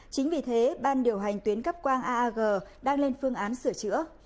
chính vì thế ban điều hành tuyến cắp quang aag đang lên phương án sửa chữa